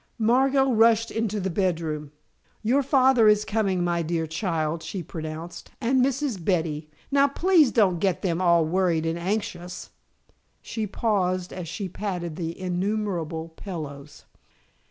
Margot rushed into the bedroom. "Your father is coming, my dear child," she pronounced, "and Mrs. Betty. Now please don't get them all worried and anxious " she paused as she patted the innumerable pillows.